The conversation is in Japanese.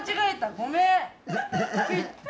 ごめん。